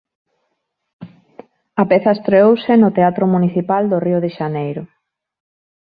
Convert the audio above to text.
A peza estreouse no Teatro Municipal do Río de Xaneiro.